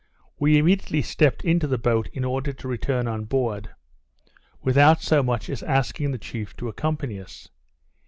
We immediately stepped into the boat in order to return on board, without so much as asking the chief to accompany us.